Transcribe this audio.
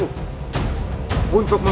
untuk membangun kembali